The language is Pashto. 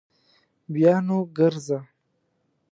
بیا نو ګرځه